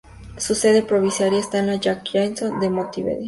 Su sede provisoria está en la calle Jackson de Montevideo.